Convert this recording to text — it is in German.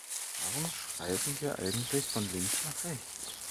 Warum schreiben wir eigentlich von links nach rechts?